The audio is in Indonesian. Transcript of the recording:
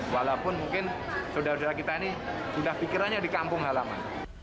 walaupun mungkin saudara saudara kita ini sudah pikirannya di kampung halaman